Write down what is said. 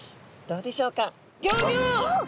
どうでしょうか。